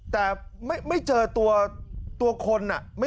แต่ไม่เจอตัวคน